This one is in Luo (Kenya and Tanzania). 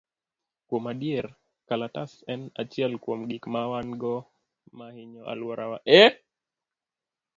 Kuom adier, kalatas en achiel kuom gik ma wan go ma hinyo alworawa.